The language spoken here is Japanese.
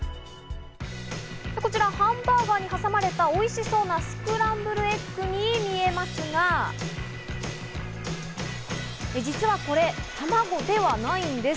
こちら、ハンバーガーに挟まれたおいしそうなスクランブルエッグに見えますが、実はこれ、卵ではないんです。